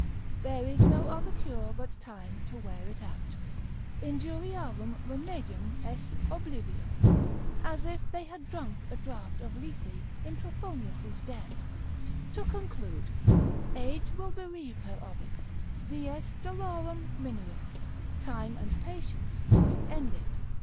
There is no other cure but time to wear it out, Injuriarum remedium est oblivio, as if they had drunk a draught of Lethe in Trophonius' den: to conclude, age will bereave her of it, dies dolorem minuit, time and patience must end it.